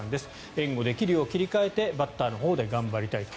援護できるよう切り替えてバッターのほうで頑張りたいと。